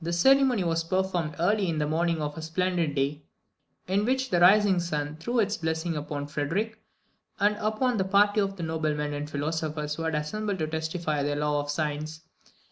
This ceremony was performed early in the morning of a splendid day, in which the rising sun threw its blessing upon Frederick, and upon the party of noblemen and philosophers who had assembled to testify their love of science.